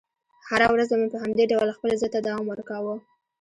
هره ورځ به مې په همدې ډول خپل ضد ته دوام ورکاوه.